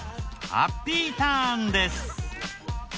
ハッピーターンです。